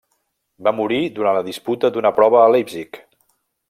Va morir durant la disputa d'una prova a Leipzig.